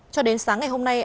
cho đến sáng ngày hôm nay